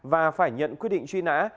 và phải nhận quyết định truy nã